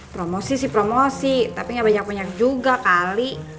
promosi sih promosi tapi gak banyak banyak juga kali